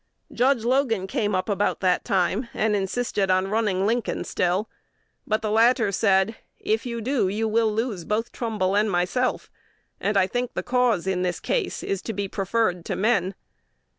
Judge Logan came up about that time, and insisted on running Lincoln still; but the latter said, 'If you do, you will lose both Trumbull and myself; and I think the cause, in this case, is to be preferred to men.'